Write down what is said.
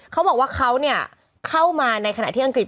เขาบอกว่าเขาเข้ามาในขณะที่อังกฤษ